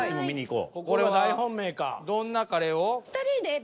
ここはどんなカレーを？